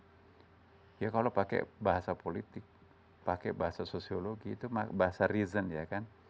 ya kalau pakai bahasa politik pakai bahasa sosiologi itu bahasa reason ya kan